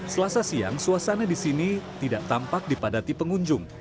selasa siang suasana di sini tidak tampak dipadati pengunjung